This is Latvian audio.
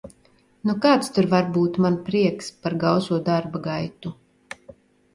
Nu kāds tur var būt man prieks par gauso darba gaitu.